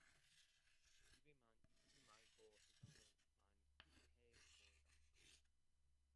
집에만 있지 말고 세상을 만끽해 보렴.